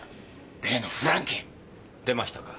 例のフランケン！出ましたか。